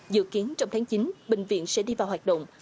dự kiến trong tháng chín bệnh viện sẽ đi vào hoạt động